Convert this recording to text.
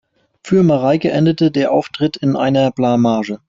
Für Mareike endete der Auftritt in einer Blamage.